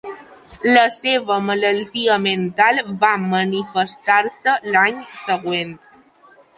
La seva malaltia mental va manifestar-se l'any següent.